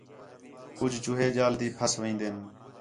کُج چوہے ڄال تی پَھس وین٘دِن